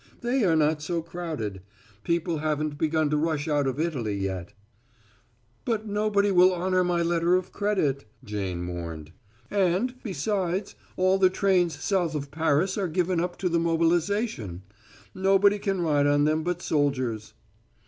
"They are not so crowded; people haven't begun to rush out of Italy yet." "But nobody will honor my letter of credit," Jane mourned. "And, besides, all the trains south of Paris are given up to the mobilization. Nobody can ride on them but soldiers."